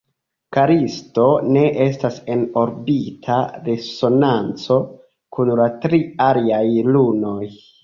Kalisto ne estas en orbita resonanco kun la tri aliaj lunoj.